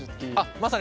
まさに。